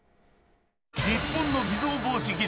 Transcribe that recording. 日本の偽造防止技術